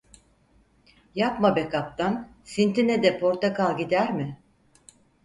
Yapma be kaptan, sintinede portakal gider mi?